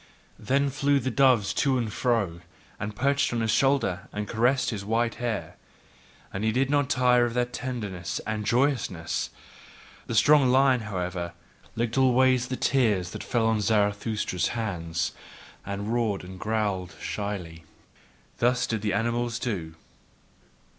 Then flew the doves to and fro, and perched on his shoulder, and caressed his white hair, and did not tire of their tenderness and joyousness. The strong lion, however, licked always the tears that fell on Zarathustra's hands, and roared and growled shyly. Thus did these animals do.